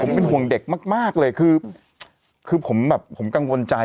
ผมเป็นห่วงเด็กมากเลยคือผมแบบผมกังวลใจ